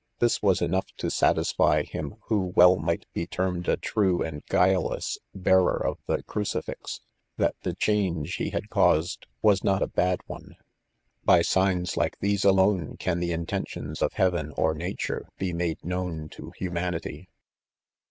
This was enough to satisfy him, who well might be termed a true and guileless bearer of the crucifix, that the change he had caused was not a bad one. By signs like these alone, can the intentions of heaven or nature be made known to humanity.